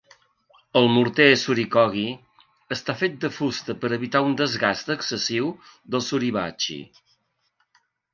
El morter "surikogi" està fet de fusta per evitar un desgast excessiu del "suribachi".